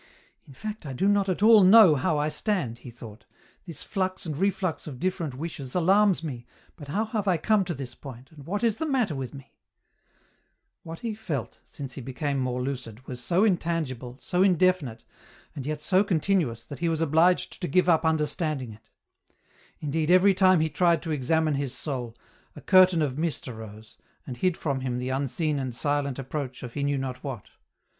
" In fact I do not at all know how I stand," he thought ;" this flux and reflux of different wishes alarms me, but how have I come to this point, and what is the matter with me ?" What he felt, since he became more lucid, was so intangible, so indefinite, and yet so continuous that he was obliged to give up understanding it. Indeed every time he tried to examine his soul, a curtain ot mist arose, and hid from him the unseen and silent approach of he knew not what.